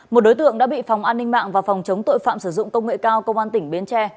một đối tượng đã bị phòng an ninh mạng và phòng chống tội phạm sử dụng công nghệ cao công an tỉnh bến tre